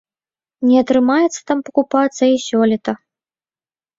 Не атрымаецца там пакупацца і сёлета.